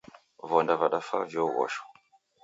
Vonda vadafaa vioghosho